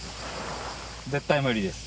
絶対無理です。